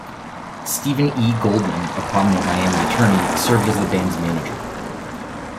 Steven E. Goldman, a prominent Miami attorney, served as the band's manager.